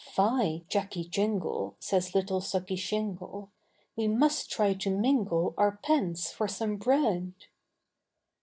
Fye! Jacky Jingle, Says little Sucky Shingle, We must try to mingle Our pence for some bread.